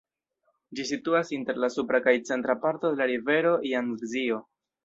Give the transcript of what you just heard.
Ĝi situas inter la supra kaj centra parto de la rivero Jangzio.